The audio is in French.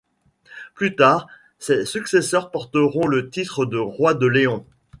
Plus tard, ses successeurs porteront le titre de rois de León.